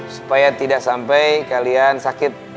supaya tidak sampai kalian sakit